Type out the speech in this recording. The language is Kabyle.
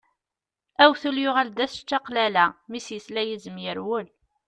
Awtul yuɣal d at čaqlala, mi s-yesla yizem yerwel.